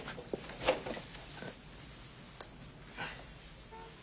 あっ。